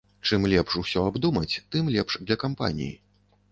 Чым лепш усё абдумаць, тым лепш для кампаніі.